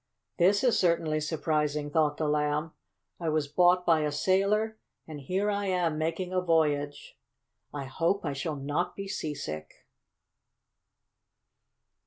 "This is certainly surprising!" thought the Lamb. "I was bought by a sailor, and here I am making a voyage! I hope I shall not be seasick!"